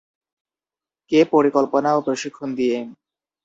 কে পরিকল্পনা ও প্রশিক্ষণ দিয়ে?